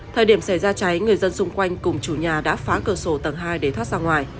thời điểm xảy ra cháy người dân xung quanh cùng chủ nhà đã phá cửa sổ tầng hai để thoát ra ngoài